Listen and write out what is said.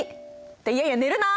っていやいや寝るな！